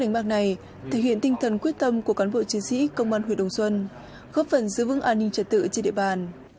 đánh bạc này thể hiện tinh thần quyết tâm của cán bộ chiến sĩ công an huyện đồng xuân góp phần giữ vững an ninh trật tự trên địa bàn